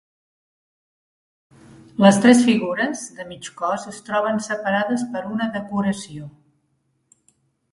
Les tres figures, de mig cos es troben separades per una decoració.